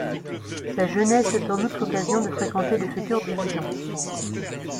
Sa jeunesse est en outre l'occasion de fréquenter de futurs dirigeants.